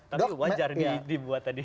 tapi wajar dibuat tadi